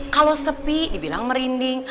kalau sepi dibilang merinding